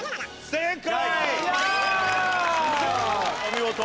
正解！